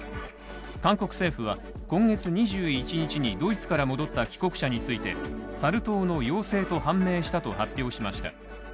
韓国政府は今月２１日にドイツから戻った帰国者についてサル痘の陽性と判明したと発表しました。